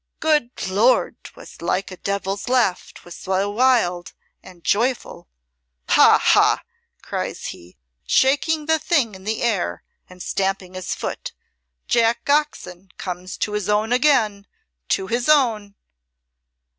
Good Lord, 'twas like a devil's laugh, 'twas so wild and joyful. 'Ha, ha!' cries he, shaking the thing in the air and stamping his foot, 'Jack Oxon comes to his own again, to his own!'"